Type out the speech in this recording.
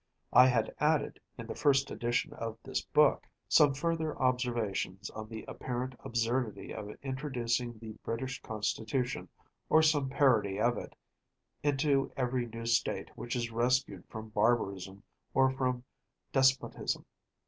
I had added, in the first edition of this book, some further observations on the apparent absurdity of introducing the British Constitution, or some parody of it, into every new state which is rescued from barbarism or from despotism.